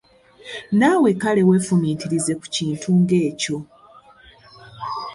Naawe kale weefumiitirize ku kintu ng'ekyo!